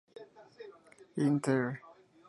In there.".